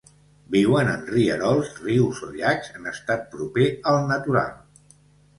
Viuen en rierols, rius o llacs en estat proper al natural.